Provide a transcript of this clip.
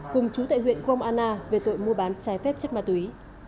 cùng chú tại huyện gromana về tội mua bán trái phép chất ma túy